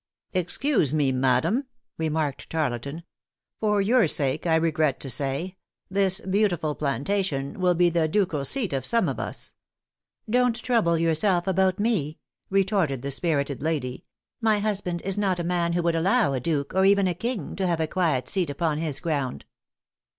"Excuse me, madam," remarked Tarleton. "For your sake I regret to say this beautiful plantation will be the ducal seat of some of us." "Don't trouble yourself about me," retorted the spirited lady. "My husband is not a man who would allow a duke, or even a king, to have a quiet seat upon his ground."